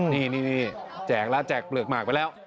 นี่แจกแล้วแจกเปลือกหมากไปแล้ว